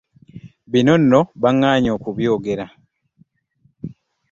Bino nno baŋŋaanyi okubyogerako.